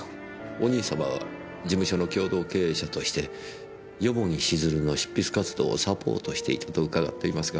お兄様は事務所の共同経営者として蓬城静流の執筆活動をサポートしていたと伺っていますが。